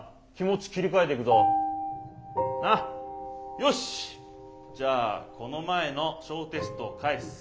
よしっじゃあこの前の小テストを返す。